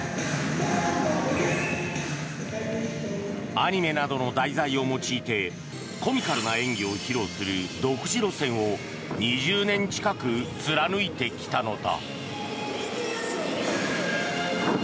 アニメなどの題材を用いてコミカルな演技を披露する独自路線を２０年近く貫いてきたのだ。